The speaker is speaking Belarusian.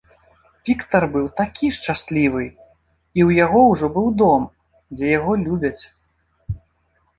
Віктар быў такі шчаслівы, і ў яго ўжо быў дом, дзе яго любяць.